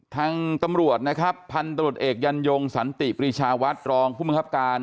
ทางตำรวจนะครับพันธุ์ตำรวจเอกยันยงสันติปรีชาวัดรองผู้บังคับการ